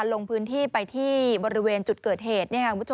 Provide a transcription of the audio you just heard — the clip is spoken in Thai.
ลงพื้นที่ไปที่บริเวณจุดเกิดเหตุ